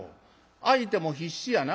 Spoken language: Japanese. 相手も必死やな。